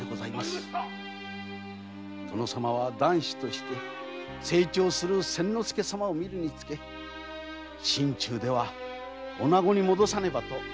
殿様は男子として成長する千之助様を見るにつけ心の中では女子に戻さねばとあせっておいででした。